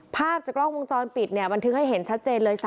ภาพจากกล้องวงจรปิดบันทึกให้เห็นชัดเจนเลย